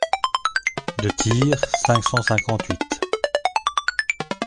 de Tyr, cinq cent cinquante-huit.